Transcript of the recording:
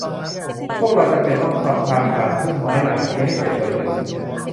พวกเราจำเป็นต้องทำทางผ่านพุ่มไม้หนานี้ให้เสร็จโดยเร็ว